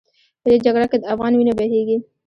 په دې جګړه کې د افغان وینه بهېږي.